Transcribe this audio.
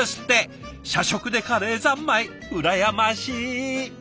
社食でカレー三昧羨ましい！